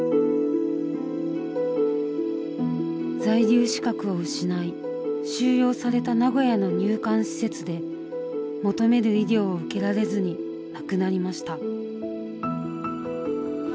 在留資格を失い収容された名古屋の入管施設で求める医療を受けられずに亡くなりました。